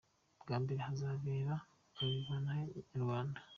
Bwa mbere hazabera karinavale Nyarwanda